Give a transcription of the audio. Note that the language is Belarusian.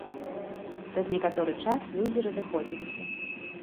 Праз некаторы час людзі разыходзіліся.